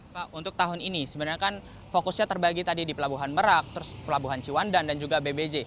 pak untuk tahun ini sebenarnya kan fokusnya terbagi tadi di pelabuhan merak terus pelabuhan ciwandan dan juga bbj